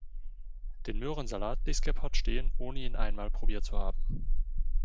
Den Möhrensalat ließ Gebhard stehen ohne ihn einmal probiert zu haben.